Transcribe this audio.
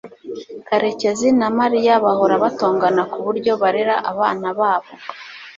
karekezi na mariya bahora batongana kuburyo barera abana babo